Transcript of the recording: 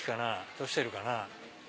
どうしてるかな？